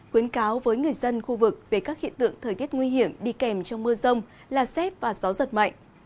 khuyến cáo với người dân khu vực về các hiện tượng thời tiết nguy hiểm đi kèm trong mưa rông là xét và gió giật mạnh